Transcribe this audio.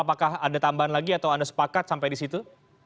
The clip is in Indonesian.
apakah ada tambahan lagi atau anda sepakat sampai di situ